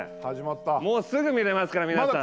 もう、すぐ見れますから、皆さん。